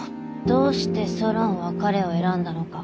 どうしてソロンは彼を選んだのか。